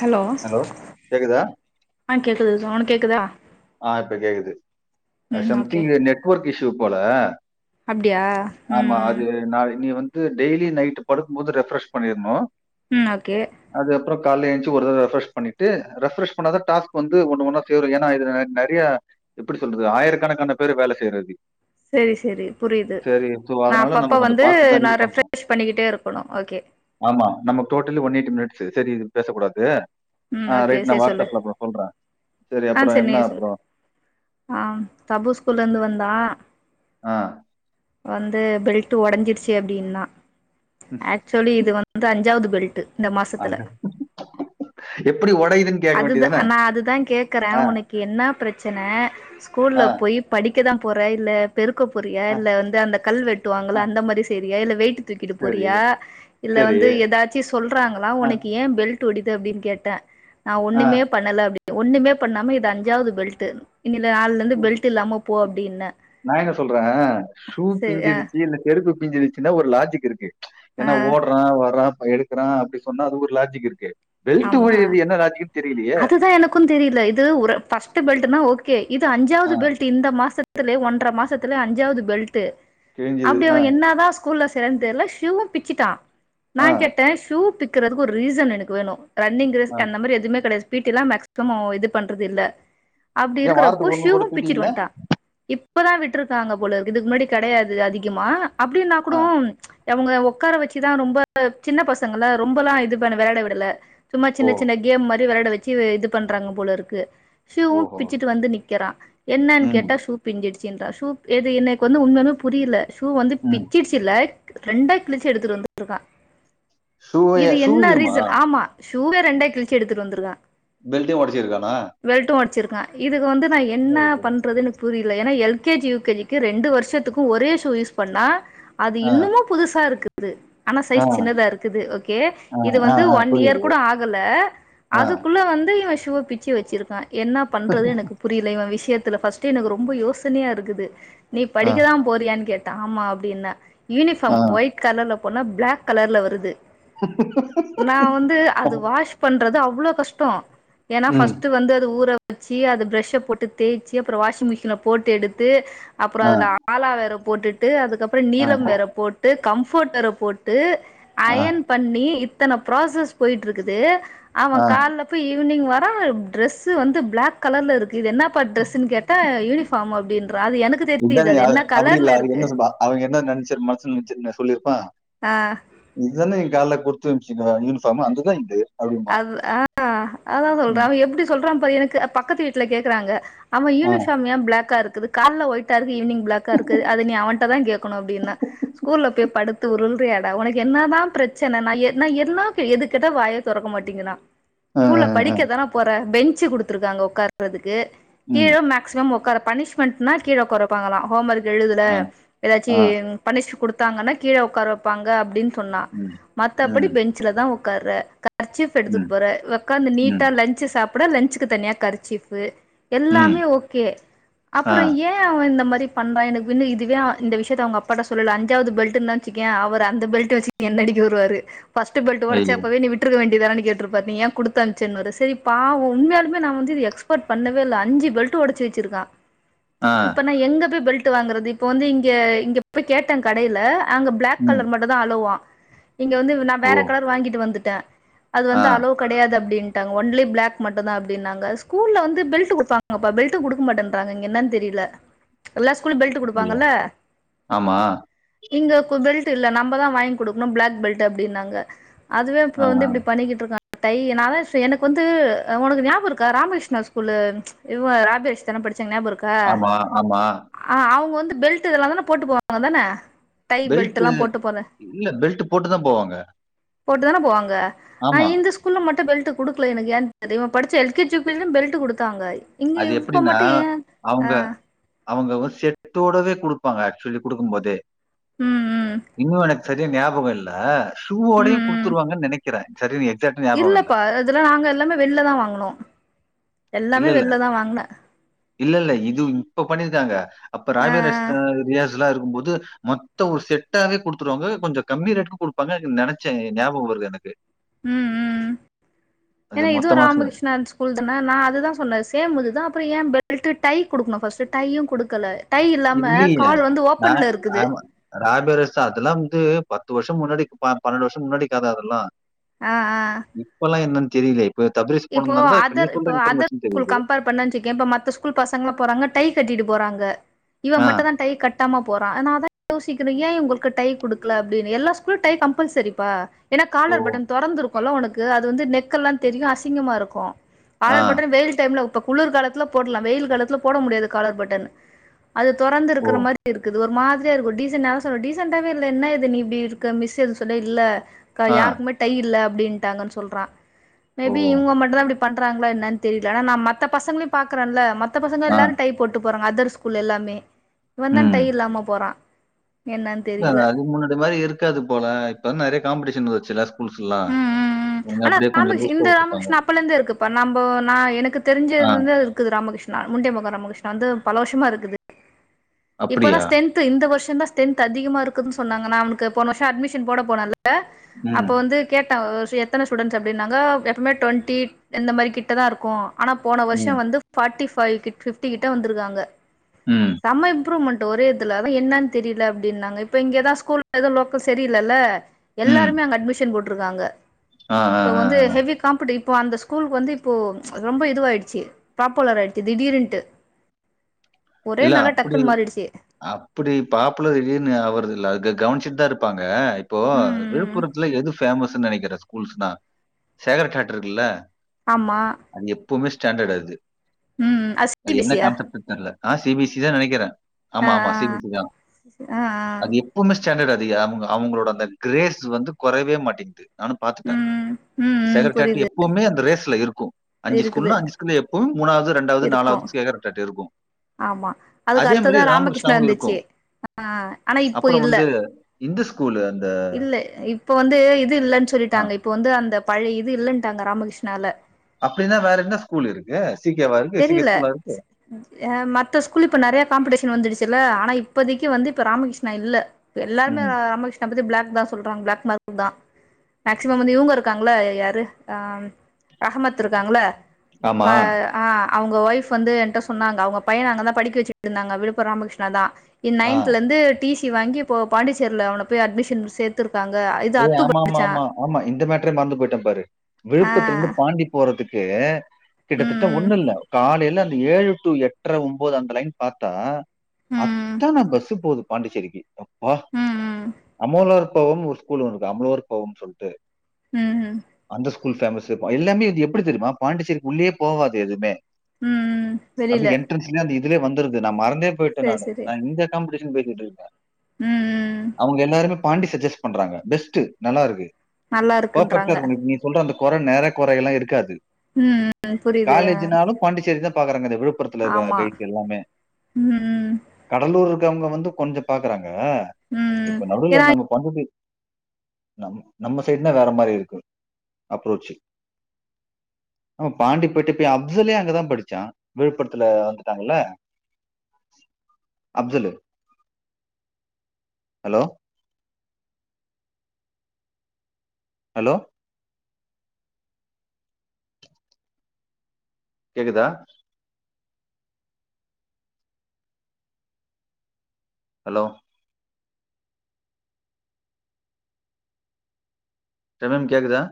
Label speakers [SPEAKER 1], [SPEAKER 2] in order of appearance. [SPEAKER 1] Hello
[SPEAKER 2] கேக்குதா?
[SPEAKER 1] ஆ கேக்குது ச ஒனக் கேக்குதா
[SPEAKER 2] ஆ இப்ப கேக்குது
[SPEAKER 1] ம் ஓகே
[SPEAKER 2] சம்திங் நெட்வொர்க் இஷ்யூ போல
[SPEAKER 1] அப்டியா
[SPEAKER 2] ஆமா
[SPEAKER 1] ம்
[SPEAKER 2] அது நாளைக் நீ வந்து டெய்லியு நைட் படுக்குபோது ரெஃப்ரெஷ் பண்ணிர்ணு
[SPEAKER 1] ம் ஓகே
[SPEAKER 2] அதுகப்ரோ கால ஏஞ்சி ஒரு தர ரெஃப்ரஷ் பண்ணிட்டு ரெஃப்ரஷ் பண்ணாத டாஸ்க் வந்து ஒண்ணு ஒண்ணா சேரு நிறைய எப்டி சொல்றது ஆயிரக்கணக்கான பேரு வேல செய்றது
[SPEAKER 1] செரி செரி புரிது
[SPEAKER 2] சரி. ஸோ
[SPEAKER 1] நா
[SPEAKER 2] அதனால நம்ம
[SPEAKER 1] அப்பப்போ
[SPEAKER 2] கொஞ்சம்
[SPEAKER 1] வந்து
[SPEAKER 2] பார்த்து தான்
[SPEAKER 1] நா
[SPEAKER 2] இது பண்ணணும்.
[SPEAKER 1] ரெஃப்ரெஷ் பண்ணிக்கிட்டே இருக்கணு ஓகே
[SPEAKER 2] ஆமா நமக் டோட்டலி ஒன் எய்ட்டி மினிட்ஸ்சு சரி இத பேச கூடாது
[SPEAKER 1] ம்
[SPEAKER 2] ஆ
[SPEAKER 1] ஓகே
[SPEAKER 2] ரைட் நா
[SPEAKER 1] செரி
[SPEAKER 2] வாட்ஸ்
[SPEAKER 1] சொல்லு
[SPEAKER 2] அப்ல அப்ரோ சொல்றே சரி அப்ரோ என்ன அப்புறம்?
[SPEAKER 1] அ தபு ஸ்கூல்ல இருந்து வந்தா
[SPEAKER 2] ஆ.
[SPEAKER 1] வந்து பெல்ட் ஒடஞ்சிருச்சு அப்டின்னா
[SPEAKER 2] ம்.
[SPEAKER 1] ஆக்சொலி இது வந்து அஞ்சாவது பெல்ட்டு்
[SPEAKER 2] அ எப்டி ஒடைதுங்
[SPEAKER 1] அதுதா நா அது தா கேக்கறே ஒனக்கு என்ன பிரச்சனை
[SPEAKER 2] ஆ,
[SPEAKER 1] ஸ்கூல்ல போய் படிக்கதா போற இல்ல பெருக்க போறியா
[SPEAKER 2] ஆ,
[SPEAKER 1] இல்ல வந்து அந்த கல்
[SPEAKER 2] ஆ.
[SPEAKER 1] வெட்டுவாங்கள அந்த மாதி செய்ரியா இல்ல வெயிட் தூக்கிட்டு
[SPEAKER 2] சரி.
[SPEAKER 1] போறியா இல்ல
[SPEAKER 2] சரி.
[SPEAKER 1] வந்து ஏதாச்சு சொல்றாங்களா
[SPEAKER 2] ஆ,
[SPEAKER 1] ஒனக்கு ஏ பெல்ட்டு ஒடிது அப்டின்னு கேட்டே நா
[SPEAKER 2] ஆ.
[SPEAKER 1] ஒண்ணுமே பண்ணல அப்டீன்ட் ஒண்ணுமே பண்ணாம இது அஞ்சாவது பெல்ட்டு இன்னி நால்லந்து பெல்ட்டு இல்லாம போ அப்டின்ன
[SPEAKER 2] நா என்ன சொல்றே ஷூ
[SPEAKER 1] சரி ஆ
[SPEAKER 2] பிஞ்சிருச்சி இல்ல செருப்பு பிஞ்சிருச்சுன்னா ஒரு லாஜிக் இருக்கு ஏன்னா
[SPEAKER 1] ஆ
[SPEAKER 2] ஓடுறா வர்ரா எடுக் க்ரா அப்டி சொன்னா அது ஒரு லாஜிக் இருக்கு பெல்ட்டு ஒடைது என்ன லாஜிக்னு தெரிலையே
[SPEAKER 1] தெரில இது ஒரு பஸ்ட்டு பெல்டுனா ஓகே இது அஞ்சாவது
[SPEAKER 2] ஆ.
[SPEAKER 1] பெல்ட்டு இந்த மாசத் ல்லு ஒன்ற மாசத்துல அஞ்சாவது பெல்ட்டு
[SPEAKER 2] கிழிஞ்சது.
[SPEAKER 1] அப்டி அவ
[SPEAKER 2] ஆ,
[SPEAKER 1] என்ன தா ஸ்கூல்ல சேந்தேல ஷூவு பிச்சிட்டா நா
[SPEAKER 2] ஆ.
[SPEAKER 1] கேட்டே ஷூ பிக்கறதுக்கு ஒரு ரீசன் எனக்கு வேணு ரன்னிங் ரேஸ்
[SPEAKER 2] ஆ.
[SPEAKER 1] அந்த மாரி எதுமே கெடயாது பீ்ட்டீலா மேக்சிமம் இது பண்றது இல்ல அப்டி
[SPEAKER 2] ஏன்
[SPEAKER 1] இருக்கறப்போ
[SPEAKER 2] வாரத்துக்கு கூட
[SPEAKER 1] ஷிவு பிச்சுடு
[SPEAKER 2] தூக்கிட்டீங்களா?
[SPEAKER 1] வன்ட்டா இப் இப்பதா விட்டுருக்காங்க போல இதுக் முன்னாடி கெடையாது அதிகமா அப்டின்னா
[SPEAKER 2] ஆ.
[SPEAKER 1] குடூங் எவுங்க ஒக்கார வச்சிதா ரொம்ப சின்ன பசங்கல ரொம்பெல்லா இது பண்ண வெளாட விடல சும்மா
[SPEAKER 2] ஓ!
[SPEAKER 1] சின்ன சின்ன கேம் மாரி வெளாட வச்சு இது பண்றாங்க போலருக்கு ஷூவு
[SPEAKER 2] ஓஹோ!
[SPEAKER 1] பிச்சிசுட்டு வந்து நிக்கிறா என்னன்
[SPEAKER 2] ம்.
[SPEAKER 1] கேட்டா ஷூ பிஞ்சிடுச்சுன்றா ஷூ எது என்க்கு வந்து உண்மையால்மே புரில ஷூ வந்து
[SPEAKER 2] ம்.
[SPEAKER 1] பிச்சிடிச் சில ரெண்டா கிழிச்சி எடுத்துட்டு வந்துட்ருக்கா
[SPEAKER 2] ஷூவய
[SPEAKER 1] இது என்ன
[SPEAKER 2] ஷூவையுமா?
[SPEAKER 1] ரீசன் ஆமா ஷூவே ரெண்ட கிழ்ச்சி எடுத்துட்டு வந்துருக்கா
[SPEAKER 2] பெல்ட்டையு ஒடச்சிருக்காலா
[SPEAKER 1] வெல்ட்டு ஒச்சிருக்கா இதுகு வந்து நா என்ன
[SPEAKER 2] என்னது?
[SPEAKER 1] பண்றதுன்னு புரில ஏன்னா எல்கேஜி யூகேஜிக்கு ரெண்டு வருஷத்துக்கு ஒரே ஷூ யூஸ் பண்ணா அது
[SPEAKER 2] ஆ,
[SPEAKER 1] இன்னமு புதுசாருக்குது ஆனா
[SPEAKER 2] ஆ,
[SPEAKER 1] சைஸ் சின்னதா இருக்குது ஓகே
[SPEAKER 2] ஆ,
[SPEAKER 1] இது
[SPEAKER 2] ஆ,
[SPEAKER 1] வந்து
[SPEAKER 2] ஆ,
[SPEAKER 1] ஒன்
[SPEAKER 2] புரியுது.
[SPEAKER 1] இயர் கூட ஆகல
[SPEAKER 2] ஆ,
[SPEAKER 1] அதுக்குள்ள வந்து இவ ஷுவ பிச்சு வச்சிருக்கா என்ன பண்றது எனக்குப் புரில இவ விஷ்யத்துல ஃபஸ்ட்டே எனக்கு ரொம்ப யோசனையா இருக்குது நீ
[SPEAKER 2] ஆ,
[SPEAKER 1] படிக்கதா போறியான்னு கேட்டா ஆமா அப்டின்ன
[SPEAKER 2] ஆ.
[SPEAKER 1] யூனிஃபார்ம் ஒய்ட் கலர்ல போனா பிளாக் கலர்ல வருது நா வந்து அது வாஷ் பண்றது அவ்ளோ கஷ்டோ ஏன்னா
[SPEAKER 2] ம்.
[SPEAKER 1] ஃபர்ஸ்ட் வந்து அது ஊற வச்சி அது ஃப்ரெஸ்ச போட்டு தேய்ச்சு அப்ரோ வாஷிமிஷின்ல போட்டு எடுத்து அப்ரோ
[SPEAKER 2] ஆ,
[SPEAKER 1] அதுல ஆலா வெற போட்டுட்டு அதுக்கப்ரோ
[SPEAKER 2] ஆ,
[SPEAKER 1] நீளம் வேற போட்டு கம்ஃபோர்ட் வேற போட்டு
[SPEAKER 2] ஆ,
[SPEAKER 1] அயன் பண்ணி இத்தன ப்ராசஸ் போய்ட்டு இருக்குது அவன்
[SPEAKER 2] ஆ.
[SPEAKER 1] கால்ல போய் ஈவினிங் வரான் டிரெஸ்சு வந்து பிளாக் கலர்ல இருக்கு இது என்னா ப்பா ட்ரெஸ்ன்னு கேட்டா யூனிஃபார்ம் அப்டின்றான் அது எனக்கு தெரியுது அது என்ன கலர்ல இருக்கு
[SPEAKER 2] அவுங்க என்ன நினச்சரு மனுசு நினச்சிரு சொல்லிருப்பான்
[SPEAKER 1] ஆ
[SPEAKER 2] இதான நீ கால்ல குத்தமிச்சல்ல யூனிஃபாமு அந்ததான் இது அப்படிம்பான்.
[SPEAKER 1] அது ஆ அதான் சொல்றான்
[SPEAKER 2] ம்.
[SPEAKER 1] அவன் எப்டி சொல்றான் பாரு எனக்கு பக்கத்து வீட்ல கேக்குறாங்க ஆமா
[SPEAKER 2] ஆ.
[SPEAKER 1] யூனிஃபார்ம் ஏன் பிளாக்கா இருக்கு கால ஒயிட் கரு ஈவினிங் பிளாக்கா இருக்கு அது நீ அவன்ட்ட தான் கேட்கனும் அப்டின்னான் ஸ்கூல்ல போய் படு த்து உருள்றியடா உனக்கு என்ன தான் பிரச்சன நா எ ந எதன்னா எது கேட்டா வாயே தொறக்க மாட்டெங்கறா
[SPEAKER 2] அ,
[SPEAKER 1] ஸ்கூல்ல
[SPEAKER 2] அ, அ.
[SPEAKER 1] படிக்கதான போற பெஞ்சு குடுத்துருக்காங்க உட்கார்றதுக்கு
[SPEAKER 2] ம்.
[SPEAKER 1] கீழ மேக்சிமம் உக்கார பனிஷ்மெண்ட்னா கீழ உக்காற வைப்பாங்களா ஹோம்ஒர்க் எழுதல
[SPEAKER 2] ஆ.
[SPEAKER 1] ஏதாச்சி
[SPEAKER 2] ஆ.
[SPEAKER 1] பனிஷ் குடுத்தாங்கன்னா கீழே உட்கார வைப்பாங்க அப்டின் சொன்னா
[SPEAKER 2] ம்.
[SPEAKER 1] மத்த படி
[SPEAKER 2] ம்.
[SPEAKER 1] பெஞ்சல தான் உட்கார க கர்ச்சீஃப்
[SPEAKER 2] ம்.
[SPEAKER 1] எடுத்துக்கிட்டு போற உக்காந்து நீட்டா
[SPEAKER 2] ம்.
[SPEAKER 1] லன்ச் சாப்பிட லன்சுக்கு தனியா கரிச்சீஃப்ஃபு
[SPEAKER 2] ம்.
[SPEAKER 1] எல்லாமே ஓகே
[SPEAKER 2] ஆ.
[SPEAKER 1] அப்பறோ ஏ ஏ அவன் இந்த மாரி பண்றான் எனக்குன்னு இதுவே இந்த விஷயத்த அவுங்க அப்பாட்ட சொல்லல அஞ்சாவது பெல்ட்ன் வச்சிக்கோய அவர் அந்த பெல்ட்ட வச்சி என்ன அடிக்க வருவாரு பஸ்ட் பெல்ட்
[SPEAKER 2] ஐயோ!
[SPEAKER 1] உடைச்சப்பவே நீ விட் ருக்க வேண்டியது தானன்னு கேட்டுருப்பாரு நீ ஏ குடுத்தம்ச்சன்னுவாரு சேரி பாவோ உண்யாலுமே ந வந்து எக்ஸ் சப்போர்ட் பண்ணவே இல்ல அஞ்சு பெல்ட் உடைச்சி வச்சிருக்கான்
[SPEAKER 2] ஆ.
[SPEAKER 1] இப்ப நா எங்க போய் பெல்ட் வாங்குறது இப்ப வந்து இங்க இங்க போய் கேட்டேன் கடையில அங்க பிளாக்
[SPEAKER 2] ம்.
[SPEAKER 1] கலர் மட்டும் தான் அளோவா இங்க வந்து நான்
[SPEAKER 2] ஓ!
[SPEAKER 1] வேற கலர் வாங்கிட்டு வந்துட்டேன் அது
[SPEAKER 2] ஆ.
[SPEAKER 1] வந்து அலோ கிடையாது அப்படின்டாங்க ஒன்லி பிளாக் மட்டும் தான் அப்டின்னாங்க ஸ்கூல்ல வந்து பெல்ட் குடுப்பாங்கபா பெல்ட் குடுக்க மாட்டேன் ன்றாங்க இங்க என்னானு தெரில எல்லா ஸ்கூலும் பெல்ட்
[SPEAKER 2] அப்படியா?
[SPEAKER 1] குடுப்பாங்கல்ல
[SPEAKER 2] ஆமா.
[SPEAKER 1] இங்க பெல்ட் இல்ல நம்பதான் வாங்கி குடுக்கணும் பிளாக் பெல்ட் அப்டின்னாங்க அதுவே
[SPEAKER 2] ஆ. ஆ.
[SPEAKER 1] இப்ப வந்து இப்டி பண்ணிக்கிட்டு இருக்கான் டை என்னால சே எனக்கு வந்து உனக்கு ஞாபம் இருக்கா ராமகிருஷ்ணா ஸ்கூலு இவோ ராபேஷ்ட தான் படிச்சாங்க ஞாப
[SPEAKER 2] ஆமா ஆமா
[SPEAKER 1] ஆ அவுங்க வந்து பெல்ட் இதெல்லாம் தான போட்டு போவாங்க தான டை
[SPEAKER 2] பெல்ட்
[SPEAKER 1] எல்லா போட்டு போற
[SPEAKER 2] இல்ல பெல்ட் போட்டு தான் போவாங்க
[SPEAKER 1] போட்டுதான போவாங்க ஆ
[SPEAKER 2] ஆமா.
[SPEAKER 1] இந்த ஸ்கூல் ஸ்கூல்ல மட்டும் பெல்ட் குடுக்கல எனக்கு ஏ தெர்ல இவன் படிச்ச எல் கே ஜியும் கூட பெல்ட் குடுத்தாங்க இங்க
[SPEAKER 2] அது
[SPEAKER 1] இப்ப மட்டும் ஏன் ஆ
[SPEAKER 2] அவுங்க செட்டோடவே கொடுப்பாங்க ஆக்சுவலி குடுக்கும் போதே
[SPEAKER 1] ம் ம்
[SPEAKER 2] இன்னும் எனக்கு சரியா ஞாபகம் இல்ல
[SPEAKER 1] ம்
[SPEAKER 2] ஸ்சூவோடையும்
[SPEAKER 1] ம்
[SPEAKER 2] குடுத்துருவாங்கனு நினைக்கிறேன் சரி எக்ஸ்ஸாட்டா
[SPEAKER 1] இல்லப்பா இதெல்லாம் நாங்க எல்லாமே வெள்ல தான் வாங்கனோம் எல்லாமே வெள்ல தான் வாங்கன
[SPEAKER 2] இல்லல்ல இது இப்போ பண்ணிருக்காங்க அப்ப
[SPEAKER 1] ஆ ஆ
[SPEAKER 2] ராபியா ரெஸ்ட்டாரா ரியாஸ்ல்லாம் இருக்கும் போது மொத்த ஒரு செட்டாவே குடுத்துருவாங்க கொஞ்சோ கம்மி ரேட்டுக்கு குடுப்பாங்கன்னு நினைச்சேன் ஞாபகம் வருது எனக்கு
[SPEAKER 1] ம் ம் ம்
[SPEAKER 2] அது
[SPEAKER 1] ஏன்னா இதுவும்
[SPEAKER 2] மொத்தமா ச
[SPEAKER 1] ராமகிருஷ்ணா ஸ்கூ ஸ்கூல் தான நான் அது தான் சொன்னே சேம் இது தான் அப்பறோ ஏன் பெல்ட்டு டை குடுக்கணும் ஃபஸ்ட்டு டையும் குடுக்கல டை இல்லாமல் கால் வந்து ஓப்பன்ல இருக்குது
[SPEAKER 2] ராபே ரெஸ்ட்டா அதெல்லாம் வந்து பத்து வருஷம் முன்னாடி ப பன்னெண்டு வருஷம் முன்னாடிக் கத அதெல்லாம்
[SPEAKER 1] ஆ ஆ ஆ
[SPEAKER 2] இப்பெல்லா என்னன்னு தெரியல இப்ப தபரிஸ் போனதுனால தா இப்ப நீ சொல்ற இன்ஃபர்மேஷன் தெரியுது
[SPEAKER 1] பண்ணாற்கே இப்ப மத்த ஸ்கூல் பசங்ளா போறாங்க டை கட்டிட்டு போறாங்க இவ
[SPEAKER 2] ஆ.
[SPEAKER 1] மட்டு தா டை கட் கட்டமா போறா நா அதா யோசிக்றே ஏ இவங்களுக்கு டை குடுக்கல அப்டின்னு எல்லா ஸ்கூலு டை கம்பல்சரிப்பா ஏன்னா
[SPEAKER 2] ஓ!
[SPEAKER 1] காலர் பட்டன் தொறந்துருக்குல உனக்கு அது வந்து நெக்கெல்லா தெரியு அசிங்கமா இருக்கு
[SPEAKER 2] ஆ.
[SPEAKER 1] காலர் பட்டன் வெயில் டைம்ல இப்ப குளிர் காலத்துல போடலா வெயில் காலத்துல போட முடியாது காலர் பட்டன் அது துறந்து
[SPEAKER 2] ஓ!
[SPEAKER 1] இருக்கிற மாரி இருக்குது ஒரு மாதிரியா இருக்கு டீசெண்டா நா சொன்னே டீசெண்டாவவே இல்ல என்ன எது நீ இப்டி இருக்க மிஸ் எது சொல்ல இல்ல க
[SPEAKER 2] ஆ.
[SPEAKER 1] யாருக்குமே டை இல்ல அப்டின்ட்டாங்கன்னு சொல்றா
[SPEAKER 2] ஓ!
[SPEAKER 1] எப்டி இவங்க மட்டுதா இப்டி பண்றாங்களா என்னனு தெரியலா நா மத்த பசங்களையு பாக்றேல மத்த பசங்க
[SPEAKER 2] ஆ.
[SPEAKER 1] எல்லாரு டைப் போட்டு போறாங்க அதர் ஸ்கூல் எல்லாமே இவ தா
[SPEAKER 2] ம்.
[SPEAKER 1] டைய் இல்லாம போறா என்னன்னு
[SPEAKER 2] இது அத
[SPEAKER 1] தெரியல
[SPEAKER 2] அதுக்கு முன்னாடி மாரி இருக்காது போல இப்ப நெறைய காம்படிஷன் வச்சுல ஸ்கூல்ஸ்ல்லா
[SPEAKER 1] ம் ம் ம் ஆனா ராமஸ் இந்த ராமகிருஷ்ணா அப்பல இருந்து இருக்குப்ப நம்போ நா எனக்கு
[SPEAKER 2] ஆ
[SPEAKER 1] தெரிஞ்சதுல இருந்து அது இருக்கு குது ராமகிருஷ்ணா முண்டிய முக ராமகிருஷ்ணா வந்து பல வர்ஷமா இருக்குது இப்பதா
[SPEAKER 2] அப்படியா?
[SPEAKER 1] ஸ்டென்த் இந்த வர்ஷோந்தா ஸ்டென்து அதிக இருக்குதுன்ன சொன்னாங்க நா அவக்கு போன வர்ஷோ அட்மிஷன் போட போனல் ல
[SPEAKER 2] ம்,
[SPEAKER 1] அப்போ வந்து கேட்ட ஒர் வர்ஷ் எத்தன ஸ்டூடண்ட்ஸ் அப்டின்னாங்க எப்பவுமே டொண்ட்டி இந்த மாரி கிட்ட தா இருக்கு ஆனா போன வர்ஷோ
[SPEAKER 2] ம்,
[SPEAKER 1] வந்து ஃபாட்டி ஃபைவ் ஃபிஃப்டிக்கிட்ட வந்ருக்காங்க
[SPEAKER 2] ம்
[SPEAKER 1] நம்ம இப் இம்ப்ரூவ்மெண்ட் ஒரே இதுல அதா என்னன்னு தெரியல அப்டின்னாங்க இப்ப இங்கதா ஸ்கூல்ல எதுவு லோக்கல் செரி இல்லல்ல
[SPEAKER 2] ம்.
[SPEAKER 1] எல்லாருமே அங்க அட்மிஷன் போட்ருக்காங்க
[SPEAKER 2] ஆ, ஆ,
[SPEAKER 1] ஷோ
[SPEAKER 2] ஆ,
[SPEAKER 1] வந்து
[SPEAKER 2] ஆ.
[SPEAKER 1] ஹேவி காம்படி இப்ப அந்த ஸ்கூ ஸ்கூலுக்கு வந்து இப்போ ரொம்ப இதுவாயிடுச்சு பாப்புலர் ஆயிடுச்சு திடிருன்டு ஒரே நாள்ல டக்
[SPEAKER 2] அப்டி அப்டி பாப்புலர் திடிர்னு ஆவுறதில்ல அது க க கவனிச்சுட்டு தா இருப்பாங்க இப்போ
[SPEAKER 1] ம் ம் ம்
[SPEAKER 2] விழுப்புரத்துல எது பேமஸ்ன்னு நெனைக்கிற ஸ்கூல்ஸ்னா சேகர் சாட் இருக்குல்ல
[SPEAKER 1] ஆமா
[SPEAKER 2] அது எப்போமே ஸ்டாண்டடு அது
[SPEAKER 1] ம் சி
[SPEAKER 2] அது
[SPEAKER 1] பி எஸ்
[SPEAKER 2] என்ன
[SPEAKER 1] சி யா
[SPEAKER 2] கான்ஸ்செப்டு தெர்ல நா சி பி சி தா நெனைக்கிறே ஆமா ஆமா சி பி சி தா
[SPEAKER 1] ஆ ஆ
[SPEAKER 2] அது எப் இப்போமே ஸாண்டடு அதிக அவுங் அவங்களோட அந்த கிரேஸ் வந்து குறவே மாட்டேங்குது நானு பாத்துட்டே
[SPEAKER 1] ம் ம் ம்
[SPEAKER 2] சேகர் சாட்டி
[SPEAKER 1] புரியுது
[SPEAKER 2] எப்பவுமே அந்த ரேஸ்ல இருக்கு அஞ்சு
[SPEAKER 1] இருக்குது
[SPEAKER 2] ஸ்கூல்னா அஞ்சு எப்பவு மூணாவது ரெண்டாவது
[SPEAKER 1] இருக்கு
[SPEAKER 2] நாலாவது சேகர்அட்டாட் இருக்கு
[SPEAKER 1] ஆமா அதுக்கு அடுத்ததா ராமகிருஷ்ணா
[SPEAKER 2] ராமகிருஷ்ணாவும்
[SPEAKER 1] இருந்துச்சு
[SPEAKER 2] இருக்கும்.
[SPEAKER 1] ஆ ஆனா இப்போ
[SPEAKER 2] அப்புறம்
[SPEAKER 1] இல்ல
[SPEAKER 2] வந்து இந்த ஸ்கூல் அந்த
[SPEAKER 1] இல்ல இப்ப வந்து இது இல்லன்னு
[SPEAKER 2] ஆ
[SPEAKER 1] சொல்லிட்டாங்க இப்போ வந்து அந்த பழைய இது இல்லன்ட்டாங்க ராமகிருஷ்ணால
[SPEAKER 2] அப்டின்னா வேற என்ன ஸ்கூல் இருக்கு சீ கே வா இருக்கு சி கே
[SPEAKER 1] தெரில
[SPEAKER 2] ஸ்கூலா இருக்கு
[SPEAKER 1] மத்த ஸ்கூல் இப்ப நெறைய காம்படிஷன் வந்துடுச்சுல்ல ஆனா இப்பதைக்கு வந்து இப்ப ராமகிருஷ்ணா இல்ல இப்ப எல்லாமே
[SPEAKER 2] ம்.
[SPEAKER 1] ராமகிருஷ்ணா பத்தி ப்ளாக் தா சொல்றாங்க ப்ளாக் மார்க்குந்தா மேக்சிமம் வந்து இவுங்க இருக்காங்களா யாரு ஆ ரகஹமத் இருக்காங்களா
[SPEAKER 2] ஆமா.
[SPEAKER 1] ஆ ஆ அவுங்க ஒய்ஃப் வந்து என்ட்ட சொன்னாங்க அவுங்க பைய அங்கதா படிக்க வச்சுட்டு இருந்தாங்க விழுப்புரோ ராமகிருஷ்ணா தா இ
[SPEAKER 2] ஆ.
[SPEAKER 1] நைன்த்ல இருந்து டீசி வாங்கி இப்ப பாண்டிச்சேர்ல அவன போய் அட்மிஷன் சேத்திருக்காங்க இது
[SPEAKER 2] ஏ
[SPEAKER 1] அத்து
[SPEAKER 2] ஆமா ஆமா
[SPEAKER 1] படிச்சா
[SPEAKER 2] ஆமா ஆமா இந்த மேட்ரே மறந்து போயிட்டே பாரு
[SPEAKER 1] ஆ
[SPEAKER 2] விழுப்பத்துல இருந்து பாண்டி போறதுக்கு கிட்டத்தட்ட
[SPEAKER 1] ம்
[SPEAKER 2] ஒண்ணு இல்ல காலையில அந்த ஏழு டு எட் ட்ற ஒன்பது அந்த லைன் பாத்தா
[SPEAKER 1] ம்
[SPEAKER 2] அத்தான பஸ் போகுது பாண்டிச்சேரிக்கு வா
[SPEAKER 1] ம் ம் ம்
[SPEAKER 2] அமலர்பவம்னு ஒரு ஸ்கூல் ஒன்னு இருக்கு அமலவர் பவம்னு சொல்ட்டு
[SPEAKER 1] ம் ம்
[SPEAKER 2] அந்தசு ஸ்கூல் பேமஸ் எல்லாமே வந்து எப்டி தெரிமா பாண்டிச்சேரிக்கு உள்ளயே போவாது எதுமே
[SPEAKER 1] ம்
[SPEAKER 2] அப்டி
[SPEAKER 1] வெளில
[SPEAKER 2] எண்ட்ரன்ஸ்ல அந்த இதுலயே வந்துருது நான் மறந்தே போயிட்டே
[SPEAKER 1] சேரி
[SPEAKER 2] நானு
[SPEAKER 1] சேரி
[SPEAKER 2] நா இந்த காம்படிஷன் போய்ட்டு இருக்கு இப்ப
[SPEAKER 1] ம் ம்
[SPEAKER 2] அவங்க எல்லாருமே பாண்டி சஜெஸ் பண்றாங்க பெஸ்ட்டு நல்லா இருக்கு
[SPEAKER 1] நல்லா
[SPEAKER 2] பெர்பக்ட்டா
[SPEAKER 1] இருக்குன்றாங்க
[SPEAKER 2] இருக்கு உன்னோட மீல் சொல்ற அந்த கொற நெர கொறயல்லா இருக்காது
[SPEAKER 1] ம் ம் புரியுது
[SPEAKER 2] காலேஜ்னாலு பாண்டிச்சேரிதா பாக்குறாங்க இந்த விழுப்புரத்துல இருக்கற
[SPEAKER 1] ஆமா
[SPEAKER 2] கைஸ் எல்லாமே
[SPEAKER 1] ம் ம்
[SPEAKER 2] கடலூர் இருக்கவங்க வந்து கொஞ்சோ பாக்குறாங்க
[SPEAKER 1] ம்
[SPEAKER 2] இப்ப நடுவ்ல
[SPEAKER 1] ஏன்னா
[SPEAKER 2] நம்ம பம்புக்கு நம் நம்ம சைடனா வேற மாரி இருக்கு அப்ரோச்சு ஆமா பாண்டி போய்ட்டு போய் அப்சல்லே அங்கதா படிச்சா விழுப்புரத்துல வந்துட்டாங்கல்ல
[SPEAKER 1] ஆ
[SPEAKER 2] அப்சலு ஹலோ ஹலோ கேக்குதா ஹலோ டெனன் கேக்குதா